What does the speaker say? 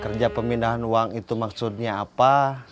kerja pemindahan uang itu maksudnya apa